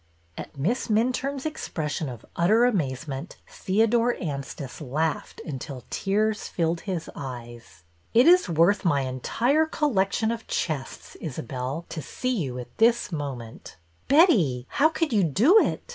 At Miss Minturne's expression of utter amaze ment, Theodore Anstice laughed until tears filled his eyes. THE UNKNOWN BIDDER 297 It is worth my entire Collection of chests, Isabelle, to see you at this moment/^ "'Betty, how could you do it?''